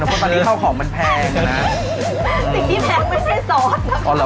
เพราะว่าตอนนี้เท่าของมันแพงนะ